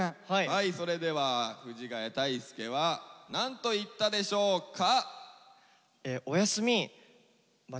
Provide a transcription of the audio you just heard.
はいそれでは藤ヶ谷太輔は何と言ったでしょうか？